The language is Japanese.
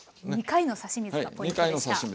２回の差し水がポイントでした。